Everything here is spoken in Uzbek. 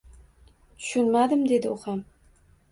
Tushunmadim dedi u ham.